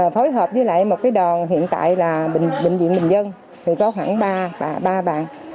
phối hợp với lại một cái đòn hiện tại là bệnh viện bình dân thì có khoảng ba bàn